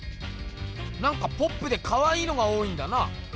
なんかポップでかわいいのが多いんだな。